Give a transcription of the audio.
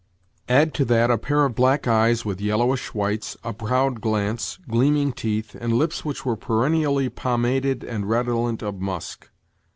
Add to that a pair of black eyes with yellowish whites, a proud glance, gleaming teeth, and lips which were perennially pomaded and redolent of musk.